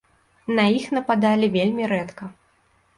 На іх нападалі вельмі рэдка.